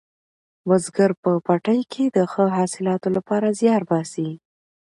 بزګر په پټي کې د ښه حاصلاتو لپاره زیار باسي